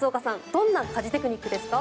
どんな家事テクニックですか？